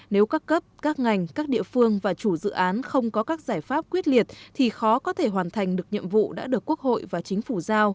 nếu các cấp các ngành các địa phương và chủ dự án không có các giải pháp quyết liệt thì khó có thể hoàn thành được nhiệm vụ đã được quốc hội và chính phủ giao